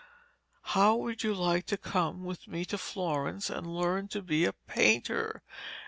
'How would you like to come with me to Florence and learn to be a painter?'